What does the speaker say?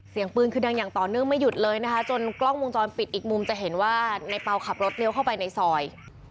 เสียงปืนคือดังอย่างต่อเนื่องไม่หยุดเลยนะคะจนกล้องวงจรปิดอีกมุมจะเห็นว่าในเปล่าขับรถเลี้ยวเข้าไปในซอย